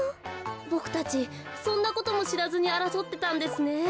ボクたちそんなこともしらずにあらそってたんですね。